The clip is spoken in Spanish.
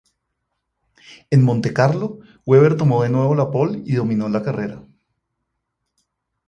En Monte Carlo, Webber tomó de nuevo la pole y dominó la carrera.